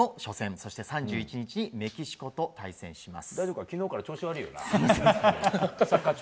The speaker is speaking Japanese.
そして３１日にメキシコと対戦します。